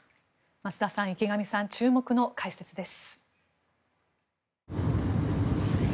増田さん、池上さん注目の解説です。